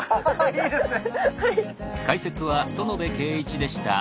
いいですね！